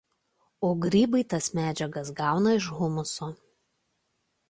O grybai tas medžiagas gauna iš humuso.